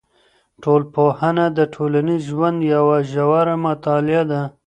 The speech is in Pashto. ټولنپوهنه د ټولنیز ژوند یوه ژوره مطالعه ده.